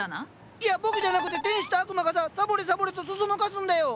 いや僕じゃなくて天使と悪魔がさサボれサボれとそそのかすんだよ！